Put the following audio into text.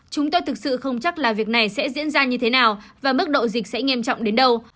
chúng tôi thực sự không chắc là việc này sẽ diễn ra như thế nào và mức độ dịch sẽ nghiêm trọng đến đâu